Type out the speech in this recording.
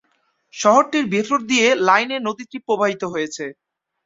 শহরটির ভেতর দিয়ে লাইনে নদীটি প্রবাহিত হয়েছে।